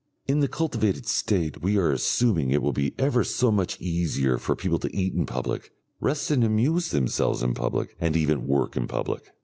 In the cultivated State we are assuming it will be ever so much easier for people to eat in public, rest and amuse themselves in public, and even work in public.